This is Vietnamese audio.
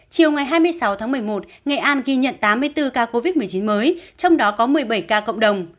chiều ngày hai mươi sáu tháng một mươi một nghệ an ghi nhận tám mươi bốn ca covid một mươi chín mới trong đó có một mươi bảy ca cộng đồng